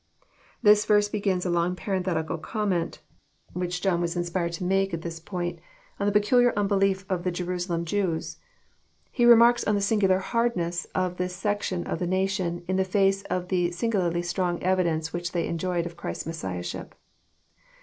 "] This verse begins a long parenthetical comment, which John was inspired to make JOHN, CHAP. XII. 365 at this point, on the peculiar unbelief of the Jerusalem Jews. He remarks on the singular hardness of this section of the na tion, in the face of the singularly strong evidence which they ei^oyed of Christ's Messlahship.